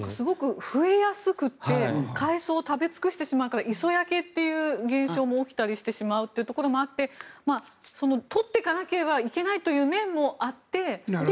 増えやすくて海藻を食べ尽くしてしまうから磯焼けという現象も起きてしまうというところもあって取っていかなければいけない面もあって。